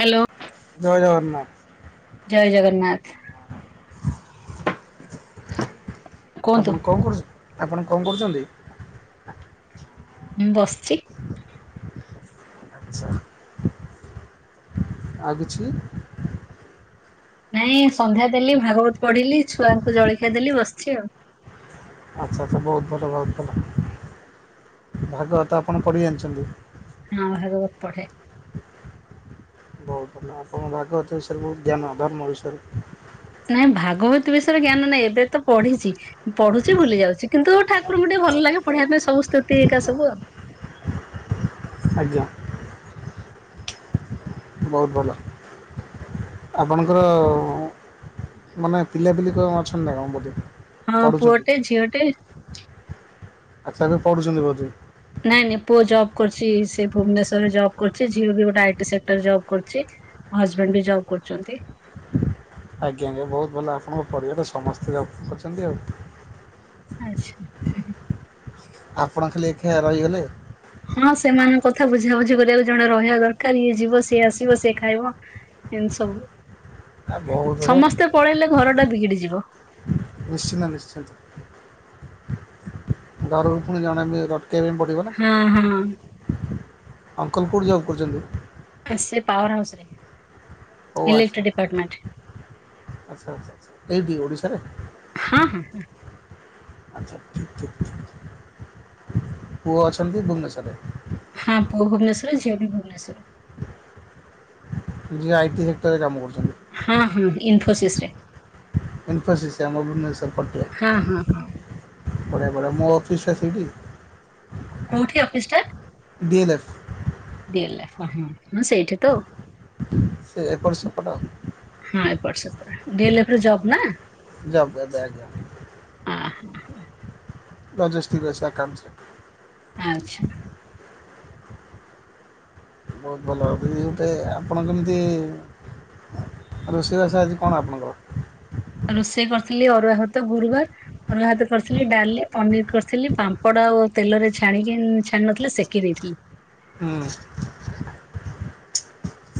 Hello. ଜୟ ଜଗନ୍ନାଥ। ଜୟ ଜଗନ୍ନାଥ। କୁହନ୍ତୁ ଆପଣ କଣ କରୁ, ଆପଣ କଣ କରୁଛନ୍ତି? ମୁଁ ବସିଛି। ଆଚ୍ଛା। ଆଉ କିଛି ନାଇଁ ସନ୍ଧ୍ୟା ଦେଲି, ଭାଗବତ ପଢିଲି, ଛୁଆଙ୍କୁ ଜଳଖିଆ ଦେଲି, ବସିଛି ଆଉ। ଆଚ୍ଛା ଆଛା ବହୁତ ଭଲ ବହୁତ ଭଲ ଭାଗବତ ଆପଣ ପଢି ଜାଣିଛନ୍ତି। ହଁ ଭାଗବତ ପଢେ। ଆପଣଙ୍କ ଭାଗବତ ବିଷୟରେ ବହୁତ ଜ୍ଞାନ ଧର୍ମ ବିଷୟରେ। ନାଇଁ ଭାଗବତ ବିଷୟରେ ଜ୍ଞାନ ନାଇଁ, ଏବେ ତ ପଢିଛି। ପଢୁଛି ଭୁଲି ଯାଉଛି କିନ୍ତୁ ଠାକୁରଙ୍କୁ ଟିକେ ଭଲ ଲାଗେ ପଢିବା ପାଇଁ ସବୁସ୍ତୁତି, ଏକା ସବୁ ଆଉ। ଆଜ୍ଞା। ବହୁତ ଭଲ। ଆପଣଙ୍କର ମାନେ ପିଲାପିଲି କଣ ଅଛନ୍ତି ନା କଣ କୋଉଠି? ହଁ ପୁଅଟେ ଝିଅଟେ। ଆଛା ସେ ପଢ଼ୁଛନ୍ତି ବୋଧେ ନାଇଁ ନାଇଁ ପୁଅ ଜବ୍ କରୁଛି ସେ ଭୁବନେଶ୍ୱର ରେ ଜବ କରୁଛି, ଝିଅ ବି ଗୋଟେ ଆଇଟସେକ୍ଟରେ ଜବ୍ କରୁଛି। ହଜବେଣ୍ଡ ବି ଜବ୍ କରୁଚନ୍ତି। ଆଜ୍ଞା ଆଜ୍ଞା ବହୁତ ଭଲ ଆପଣଙ୍କ ପରିବାରରେ ସମସ୍ତେ ଜବ୍ କରୁଛନ୍ତି ଆଉ। ଆଚ୍ଛା। ହିଁ ହିଁ ଆପଣ ଖାଲି ଏକା ରହିଗଲେ ଆଉ। ହଁ ସେମାନଙ୍କ କଥା ବୁଝାବୁଝି କରିବାକୁ ଜଣେ ରହିବା ଦରକାର, ଇଏ ଯିବ, ସିଏ ଆସିବ, ସିଏ ଖାଇବ ଏମତି ସବୁ, ଆଉ ବହୁତ ବଢ଼ିଆ ସମସ୍ତେ ପଳେଇଲେ ଘର ଟା ବିଗିଡି ଯିବ। ନିଶ୍ଚିନ୍ତ ନିଶ୍ଚିନ୍ତ। ଘରକୁ ପୁଣି ଜଣେ ବି ରଖିବା ପାଇ ପଡ଼ିବନା ହଁ ହଁ। ଅଙ୍କଲ କୋଉଠି ଜବ୍ କରିଛନ୍ତି? ଆ ସେ ପାୱାରହାଉସ ରେ ଓ ଆଚ୍ଛା ଏଲେକ୍ଟ୍ରିକ ଡିପାର୍ଟମେଣ୍ଟ। ଆଚ୍ଛା ଆଚ୍ଛା ଏଇଠି ଓଡ଼ିଶାରେ ହଁ ହଁ ହଁ ଆଚ୍ଛା ଠିକ୍ ଠିକ୍। ପୁଅ ଅଛନ୍ତି ଭୁବନେଶ୍ୱରେ ହଁ ପୁଅବି ଭୁବନେଶ୍ୱର ରେ, ଝିଅ ବି ଭୁବନେଶ୍ୱରେ ଝିଅ ଆଇଟିସେକ୍ଟର ରେ କାମ କରୁଛନ୍ତି। ହଁ ହଁ ଇନଫୋସିସ୍ ରେ। ଇନଫୋସିଟି ଆମ ଭୁବନେଶ୍ଵର ପଟିଆ ହଁ ହଁ ହଁ ବଢିଆ ବଢିଆ ମୋ ଅଫିସଟା ସେଇଠି। କୋଉଠି ଅଫିସ ଟା? D L F. D L F ହଁ ହଁ ହଁ ସେଇଠିତ ସେ ଏପଟ ସେପଟ ହଁ ଏପଟ ସେପଟ, ବିଏଲଏଫେ ଜବ୍ ନାଁ? ଜବ୍ କରିଚି ଆଜ୍ଞା। ଅଁ ହଁ। ପ୍ରେଜେସ୍ କରିଚି [unintelligible] ଆଚ୍ଛା। ବହୁତ୍ ଭଲ ଏବେ ଗୋଟେ ଆପଣ କେମିତି ରୋଷେଇ ବାସ ଆଜି କଣ ଆପଣଙ୍କର? ଉ ରୋଷେଇ କରିଥିଲି ଅରୁଆ ଭାତ ଗୁରୁବାର ଅରୁଆ ଭାତ କରିଥିଲି ଡାଲି ପନିର୍ କରିଥିଲି ପାମ୍ପଡ଼ ଆଉ ତେଲରେ ଛାଣିକି ଛାଣି ନଥିଲି ସେକି ଦେଇଥିଲି। ହୁଁ।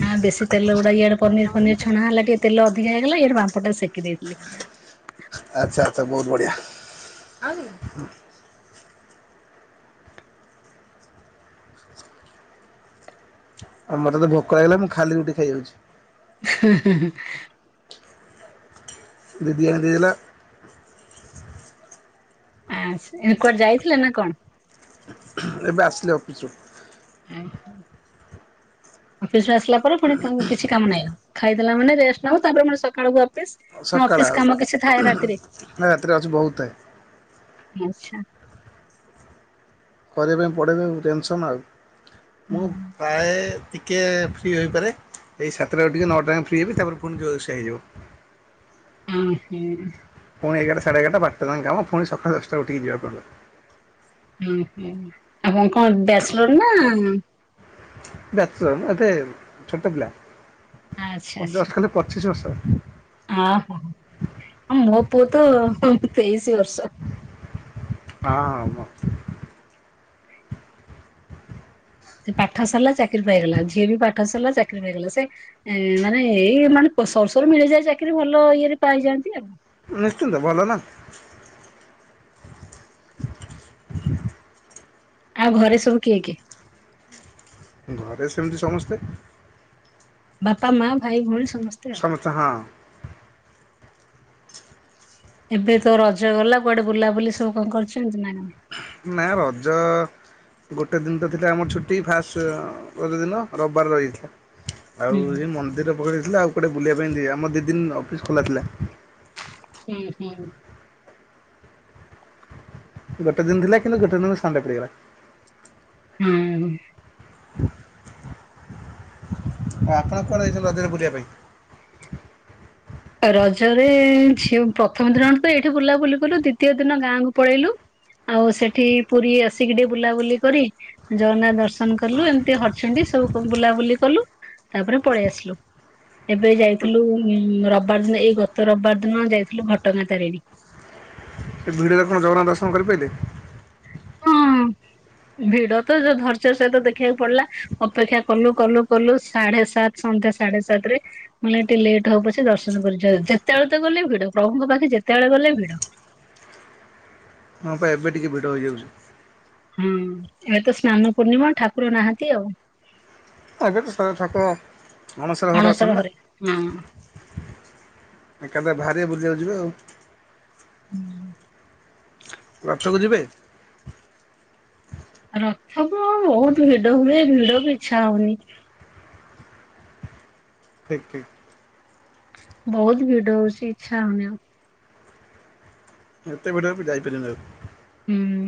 ହଁ ବେଶୀ ତେଲ ଗୁଡ଼ା ଇଆଡ଼େ ପନିର୍ ଫନିରୀ ଛଣା ହେଲା ଟିକେ ତେଲ ଅଧିକ ହେଇଗଲା ଇଆଡ଼େ ବାମ୍ପଟା ସେକି ଦେଇଥିଲି। ଆଚ୍ଛା ଆଚ୍ଛା ବହୁତ୍ ବଢ଼ିଆ। ଆଉ ମତେତ ଭୋକ ହେଲେ ମୁଁ ଖାଲି ରୁଟି ଖାଇଯାଉଚି। ହେ-ହେ-ହେ ଦିଦି ରାନ୍ଧିକି ଦେଲା ଆଚ୍ଛା ଏବେ କୁଆଡ଼େ ଯାଇଥିଲେ ନା କଣ? ଏବେ ଆସିଲି ଅଫିସରୁ। [inaudible] ଅଫିସରୁ ଆସିଲା ପରେ ପୁଣି କିଛି କାମ ନାଇଁ ଖାଇଦେଲା ମାନେ ରେଷ୍ଟ ନବ ତାପରେ ପୁଣି ସକାଳୁ ଅ ଫିସ୍ ନା ସକାଳ ଅଫିସ୍ ଆଉ କାମ କିଛି ଥାଏ ରାତିରେ? ରାତିରେ ଅଛି ବହୁତ ଆଚ୍ଛା। କରିବା ପାଇଁ ପଡ଼ବା ଟେନସନ୍ ଆଉ ମୁଁ ହୁଁ। ପ୍ରାୟେ ଟିକିଏ ଫ୍ରି ହୋଇପାରେ ଏଇ ସାତଟାରୁ ଟିକେ ନଅଟା ଆଙ୍କେ ଫ୍ରି ହେବି ତାପରେ ପୁଣି ଯୋଉଆକୁ ସେୟା ହେଇଯିବ। ଅଁ ହୁଁ। ପୁଣି ଏଗାରଟ ସାଢେ ଏଗାରା ବାରଟାଙ୍କା କାମ ପୁଣି ସକାଳେ ଦଶଟାରେ ଉଠିକି ଯିବାକୁ ପଡ଼ିବ। ଓଁ ହୁଁ ଆପଣ କଣ ବ୍ୟାଚ୍ଲରନା ବ୍ୟାଚ୍ଲର୍ ମୁଁ ଏତେ ଛୋଟ ପିଲା ମତେ ଜଷ୍ଟ ଖାଲି ପଚିଶି ବର୍ଷ। ଅଁ ହୋ ଆଁ ମୋପୁଅତ ତେଇଶି ବର୍ଷ। ହଁ ଆଉ କଁ ସେ ପାଠ ସରିଲା ଚାକିରି ପାଇଗଲା ଝିଅବି ପାଠ ସରିଲା ଚାକିରି ପାଇଗଲା ସେ ଏ ମାନେ ଏଇ ମାନେ ସର ସରୁ ମିଳିଯାଏ ଚାକିରି ଭଲ ଇଏରେ ପାଇଯାଆନ୍ତି ଆଉ। ନିଶ୍ଚିନ୍ତ ଭଲନା। ଆଉ ଘରେ ସବୁ କିଏ କିଏ? ଘରେ ସେମିତି ସମସ୍ତେ। ବାପା ମା ଭାଇ ଭଉଣୀ ସମସ୍ତେ? ଆଉ। [unintelligible] ଏବେତ ରଜ ଗଲା କୁଆଡ଼େ ବୁଲାବୁଲି ସବୁ କଣ କରିଚନ୍ତି ନା ନାଇଁ? ନାଁ ରଜ ଗୋଟେ ଦିନତ ଥିଲା ଆମର ଛୁଟି ଫାଷ୍ଟ ରଜ ଦିନ ରବିବାର ରହିଥିଲା। ହୁଁ ଆଉ ସେଏ ମନ୍ଦିର ପକେଇଥିଲ ଆଉ କୁଆଡ଼େ ବୁଲିବା ପାଇଁ ଯା ଆମ ଦିଇ ଦିନ୍ ଅଫିସ୍ ଖୋଲା ଥିଲା। ଉଁ ହୁଁ। ଗୋଟେ ଦିନ ଥିଲା କିନ୍ତୁ ଗୋଟେ ଦିନ ସଣ୍ଡେ ପଡ଼ିଗଲା। ହଁ। ଆଉ ଆପଣ କୁଆଡ଼େ ଯାଇଚନ୍ତି ରଜରେ ବୁଲିବା ପାଇଁ? ରଜରେ ଝିଅ ପ୍ରଥମ ଦିନ ତ ଏଇଠି ବୁଲାବୁଲି କଲୁ, ଦ୍ଵିତୀୟ ଦିନ ଗାଁକୁ ପଳେଇଲୁ। ଆଉ ସେଠି ପୁରୀ ଆସିକି ଟିକେ ବୁଲାବୁଲି କରି ଜଗନ୍ନାଥ ଦର୍ଶନ କଲୁ, ଏମିତି ହରଚଣ୍ଡି ସବୁ ବୁଲାବୁଲି କଲୁ। ତାପରେ ପଳେଇ ଆସିଲୁ, ଏବେ ଯାଇଥିଲୁ ରବ ରବିବାର ଦିନ ଏଇ ଗତ ରବିବାର ଦିନ ଯାଇଥିଲୁ ଘଟଗାଁ ତାରିଣୀ। ଏ ଭିଡ଼ରେ କଣ ଜଗନ୍ନାଥ ଦର୍ଶନ କରିପାଇଲେ? ହଁ। ଭିଡ ତ ଯୋଉ ଧର୍ଯ୍ୟ ସହିତ ଦେଖିବାକୁ ପଡିଲା, ଅପେକ୍ଷା କଲୁ କଲୁ କଲୁ ସାଢେ ସାତ ସନ୍ଧ୍ୟା ସାଢେ ସାତରେ ମାନେ ଏ ଟିକେ ଲେଟ୍ ହବ ପଛ ଦର୍ଶନ, [unintelligible] ଯେତେବେଳେ ତ ଗଲେ ଭିଡ ପ୍ରଭୁଙ୍କ ପାଖେ ଯେତେବେଳେ ଗଲେ ଭିଡ। ହଁ ବା ଏବେ ଟିକେ ଭିଡ ହେଇଯାଉଛି। ହଁ ଏବେ ତ ସ୍ନାନ ପୂର୍ଣ୍ଣିମା ଠାକୁର ନାହାନ୍ତି ଆଉ। ହଁ ଏବେ ତ ଠାକୁର ଅଣସର ଘରେ ଅଛନ୍ତି ନା। ହଁ। ଏକାଥରେ ଭାରିବେ ବୁଲିବାକୁ ଯିବେ ଆଉ। ହୁଁ। ରଥକୁ ଯିବେ? ରଥକୁ ବହୁତ ଭିଡ ହୁଏ, ଭିଡକୁ ଇଚ୍ଛା ହଉନେଇ। ଠିକ୍ ଠିକ୍। ବହୁତ ଭିଡ ହଉଛି ଇଚ୍ଛା ହଉନି ଆଉ। ଏତେ ବାଟ ଆମେ ଯାଇପାରିଆନି ଆଉ। ହୁଁ।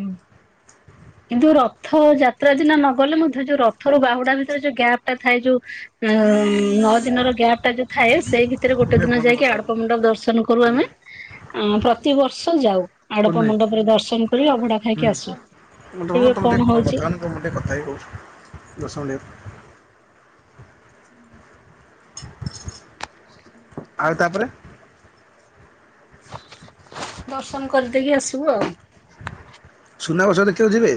କିନ୍ତୁ ରଥଯାତ୍ରା ଦିନ ନଗଲେ, ମଧ୍ୟ ଯୋଉ ରଥରୁ ବାହୁଡା ଭିତରେ ଯୋଉ ଗ୍ୟାପ୍ ଟା ଥାଏ ଯୋଉ ଉ ନଅ ଦିନର ଗ୍ୟାପ୍ ଟା ଯୋଉ ଥାଏ ସେଇ ଭି ଭିତରେ କୁନି ଗୋଟେ ଭାଇ ଦିନ ଫୋନରେ ଯାଇକି କଥା ହଉନୁ ଆଡପ ମଣ୍ଡପ ଦର୍ଶନ କରୁ କୁନି ଆମେ, ଭାଇ ପ୍ରତିବର୍ଷ ଯାଉ। କୁନି ଆଡ଼ପ ଭାଇ ମଣ୍ଡପରେ ଦର୍ଶନ କରି ଅଭଡ଼ା ଖାଇକି ଆସୁ। ହ ଏବେ ତମେ କଣ ଟିକେ ହଉଛି କଥା ହଉନ, କୁହ ମୁଁ ଟିକେ କଥା ହେଇ କହୁଚି ଦଶ ମିନି ଆଉ ତାପରେ ଦର୍ଶନ କରିଦେଇକି ଆସିବୁ ଆଉ। ସୁନାବେଶ ଦେଖିଆକୁ ଯିବେ?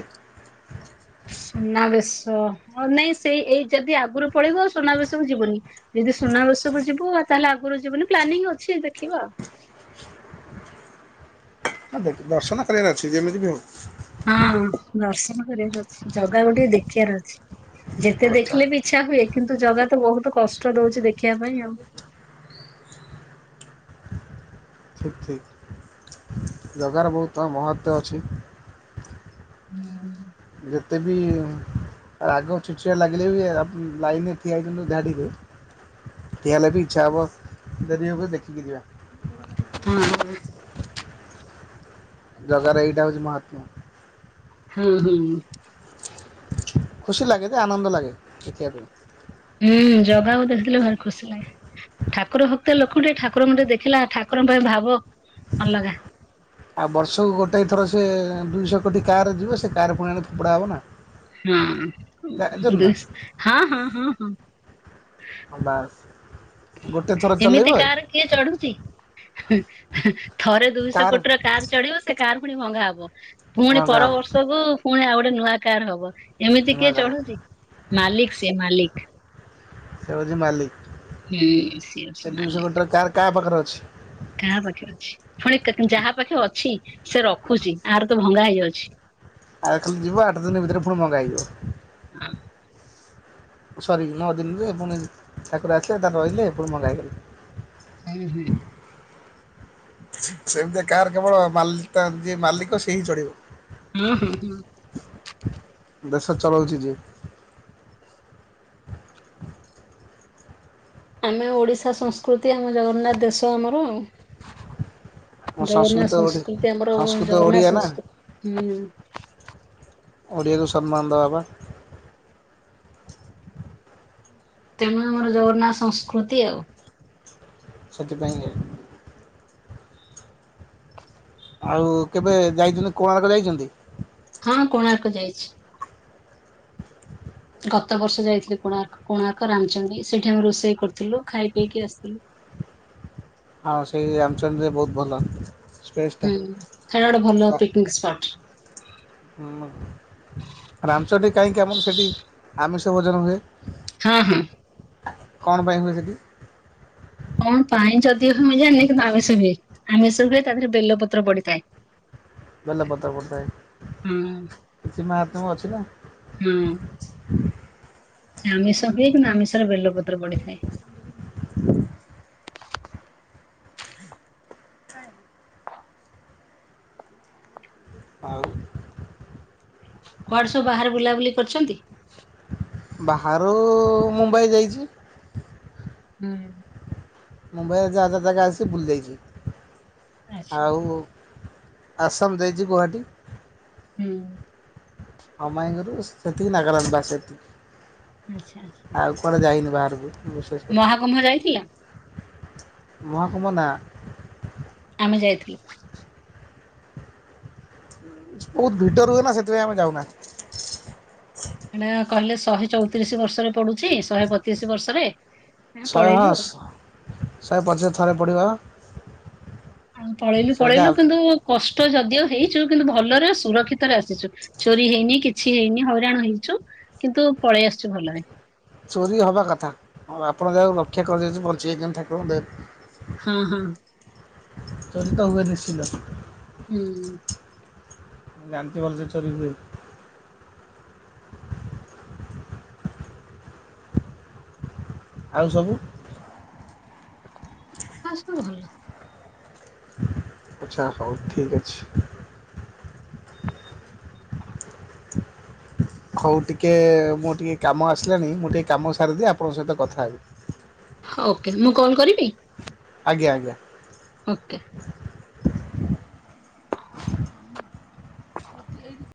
ସୁନାବେଶ ହ ନାଇଁ ସେଇ ଏଇ ଯଦି ଆଗରୁ ପଳେଇବୁ, ଆଉ ସୁନାବେଶକୁ ଯିବୁନି। ଯଦି ସୁନାବେଶକୁୁ ଯିବୁ, ତାହେଲେ ଆଗରୁ ଯିବୁନି ପ୍ଲାନିଂ ଅଛି ଦେଖିବା ଆଉ। ହଁ ଦର୍ଶନ କରିବାରେ ଅଛି ଯେମିତି ବି ହଉ। ହଁ ଦର୍ଶନ କରିବାର ଅଛି, ଜଗାକୁ ଟିକେ ଦେଖିବାର ଅଛି। ଯେତେ ଆଚ୍ଛା ଦେଖିଲେ ବି ଇଛା ହୁଏ, କିନ୍ତୁ ଜଗା ତ ବହୁତ କଷ୍ଟ ଦଉଛି ଦେଖିଆ ପାଇଁ ଆଉ। ଠିକ୍ ଠିକ୍। ଜଗାର ବହୁତ ମହତ୍ତ୍ୱ ଅଛି। ହୁଁ। ଯେତେ ବି ଆ ଆଗ [unintelligible] ଲାଗିଲେ ବି, ଲାଇନରେ ଠିଆ ହୋଇଥିଲୁ ଧାଡିରେ। ଠିଆ ହେଲେ ବି ଇଚ୍ଛା ହବ, ଡେରି ହଉ ପଛେ ଦେଖିକି ଯିବା। ହଁ- ହଁ। ଜଗାର ଏଇଟା ହଉଛି ମହାତ୍ମ। ହୁଁ- ହୁଁ। ଖୁସି ଲାଗେ ଯେ ଆନନ୍ଦ ଲାଗେ ଦେଖିଆ ପାଇଁ। ହୁଁ ଜଗାକୁ ଦେଖିଲେ ଭାରି ଖୁସି ଲାଗେ। ଠାକୁର ଭକ୍ତ ଲୋକ ଟିକେ ଠାକୁରଙ୍କେ ଦେଖିଲା ଠାକୁରଙ୍କ ପାଇଁ ଭାବ ଅଲଗା। ଆଉ ବର୍ଷକୁ ଗୋଟା ଥର ସ ସେ ଦୁଇଶହ କୋଟି କାର ଯିବ ସେ କାର୍ ପୁଣି ଆଣି ଫୋପଡ଼ା ହେବ। ହଁ ଜାଣିଛନ୍ତି ଦୁଇ ନା ହଁ ହଁ ହଁ ହଁ। ବାସ। ଏମିତି କାର କିଏ ଚଢୁଛି ଥରେ ଦୁଇଶ କାର୍ କୋଟିର କାର ଚଢିବ ସେ କାର ପୁଣି ଭଙ୍ଗା ହବ ପୁଣି ଭଙ୍ଗା ପର ହେବ ବର୍ଷକୁ ପୁଣି ଆଉ ଗୋଟେ ନୂଆ କାର୍ ହବ। ଏମିତି ନୂଆ କିଏ କାର୍ ଚଢୁଛି ମାଲିକ ସିଏ ମାଲିକ। ସେ ହଉଛି ମାଲିକ ହୁଁ ସିଏ ଅଛି ସେ ମାଲିକ। ଦୁଇଶହ କୋଟିର କାର୍ କାହା ପାଖରେ ଅଛି। କାହା ପାଖେ ଅଛି। ପୁଣି ଯାହା ପାଖେ ଅଛି ସେ ରଖୁଛି ଆହାର ତ ଭଙ୍ଗା ହେଇଯାଉଛି। ଆଉ ଖାଲି ଯିବ ଆଠ ଦିନ ଭିତରେ ପୁଣି ଭଙ୍ଗା ହେଇଯିବ। ହଁ। ସରି ନଅ ଦିନରେ ପୁଣି ଠାକୁର ଆସିଲେ ଦା ରହିଲେ ପୁଣି ଭଙ୍ଗା ହେଇଗଲେ। ହାଇ ହୋଲି। ସେମିତି କାର୍ କେବଳ ମାଲତା ଯିଏ ମାଲିକ ସିଏ ହିଁ ଚଢିବ। ହୁଁ ହୁଁ ହୁଁ। ଦେଶ ଚଳଉଚି ଯିଏ। ଆମେ ଓଡ଼ିଶା ସଂସ୍କୃତି ଆମ ଜଗନ୍ନାଥ ଦେଶ ଆମର ଆଉ। ଆମ ଜଗନ୍ନାଥ ସଂସ୍କୃତ ଓଡ଼ି ସଂସ୍କୃତି ଆମର ସଂସ୍କୃତ ଜଗନ୍ନାଥ ଓଡ଼ିଆ ନା ସଂସ୍କୃତି ହୁଁ। ଓଡ଼ିଆକୁ ସମ୍ମାନ ଦେବା ବା। ତେଣୁ ଆମର ଜଗନ୍ନାଥ ସଂସ୍କୃତି ଆଉ। ସେଥିପାଇଁ ଆଉ। ଆଉ କେବେ ଯାଇଥିଲେ କୋଣାର୍କ ଯାଇଛନ୍ତି। ହଁ କୋଣାର୍କ ଯାଇଛି। ଗତ ବର୍ଷ ଯାଇଥିଲି କୋଣାର୍କ କୋଣାର୍କ ରାମଚଣ୍ଡୀ ସେଇଠି ଆମେ ରୋଷେଇ କରିୁଥିଲୁ ଖାଇ ପିଇକି ଆସିଥିଲୁ। ହଉ ସେଇ ରାମଚଣ୍ଡିରେ ବହୁତୁ ଭଲ। ସ୍ପେସ୍ଟା। ହୁଁ ସେଇଟା ଗୋଟେ ଭଲ ପିକିନିକ୍ ସ୍ପଟ। ହୁଁ ମ। ରାମଚଣ୍ଡି କାହିଁକି ଆମର ସେଠି ଆମିଷ ଭୋଜନ ହୁଏ। ହୁଁ ହୁଁ। କଣ ପାଇଁ ହୁଏ ସେଠି? କଣ ପାଇଁ ଯଦି ହୁଏ ଜାନିନୀ କିନ୍ତୁ ଆମିଷ ହୁଏ। ଆମିଷ ହୁଏ ତା ଦେହରେ ବେଲପତ୍ର ପଡିଥାଏ। [inaudible] ବେଲ ପତ୍ର ହୁଁ ପଡ଼ିଥାଏ କିଛି ମହାତ୍ମ୍ୟ ଅଛି ନା। ହୁଁ। ସେ ଆମିଷ ହୁଏ କିନ୍ତୁ ଆମିଷରେ ବେଲପତ୍ର ବଢିଥାଏ। ଆଉ କୁଆଡ଼େ ସବୁ ବାହାରେ ବୁଲାବୁଲି କରିଛନ୍ତି। ବାହାରୁ ମୁମ୍ବାଇ ଯାଇଛି। ହୁଁ। ମୁମ୍ବାଇରେ ଯା ଯା ଯାଗା ଆସି ବୁଲି ଦେଇଛି ଆଚ୍ଛା ଆଉ। ଆସାମ ଯାଇଛି ଗୌହାଟୀ। ହୁଁ। ହଁମାଇଁଙ୍କ ରୁ ସେତିକି ନାଗାଲାଣ୍ଡ ବାସ ସେତିକି। ଆଚ୍ଛା ଆଚ୍ଛା। କୁଆରେ ଯାଇନି ବାହାରକୁ। ବିଶେଷ କରି। ମହାକୁୁମ୍ଭ ଯାଇଥିଲ। ମହାକୁମ ନା। ଆମେ ଯାଇଥିଲୁ। ବହୁତୁ ଭିଡ଼ ରୁହେନା ସେଥିପାଇଁ ଆମେ ଯାଉନା। ହେଟା କହିଲେ ଶହେ ଚଉତିରିଶି ବର୍ଷରେ ପଡୁଛି ଶହେ ବତିରିଶି ବର୍ଷରେ। ଶହେ ହଁ ପଳେଇଲୁ ଆଉ। ଶ ଶହେ ପଚ ଥରେ ପଡ଼ିବ। ହଁ ପଳେଇଲୁ ସେଇଟା ପଳେଇଲୁ କିନ୍ତୁ କଷ୍ଟ ଯଦିଓ ହେଇଛୁ କିନ୍ତୁ ଭଲରେ ସୁରକ୍ଷିତ ରେ ଆସିଛୁ। ଚୋରି ହେଇନି କିଛି ହେଇନି ହଇରାଣ ହେଇଛୁ କିନ୍ତୁ ପଳେଇ ଆସିୁଛୁ ଭଲରେ। ଚୋରି ହେବା କଥା ଉ ଆପଣ ଯାହାକୁ ରକ୍ଷା କରିଦେଇଛି ବଞ୍ଚେଇ କେମନ୍ତୁ ଠାକୁରଙ୍କ ଦେ ହଁ ହଁ। ଚରିତ ହୁଏ ନିଶ୍ଚିନ୍ତ। ହୁଁ। [unintelligible] ଜାଣିଚି ଭଲସେ ଚୋରି ହୁଏ। ଆଉ ସବୁ। ଶାଶୂ ଭଲ। ଆଛା ହଉ ଠିକ୍ ଅଛି। ହଉ ଟିକିଏ ମୋ ଟିକିଏ କାମ ଆସିଲାଣି ମୁଁ ଟିକିଏ କାମ ସାରିଦିଏ ଆପଣଙ୍କ ସହିତ କଥା ହେବି। ହଉ ଓକେ ମୁଁ କଲ୍ କରିବି। ଆଜ୍ଞା ଆଜ୍ଞା। ଓକେ। [unintelligible]